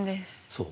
そう。